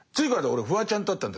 俺フワちゃんと会ったんだけどさ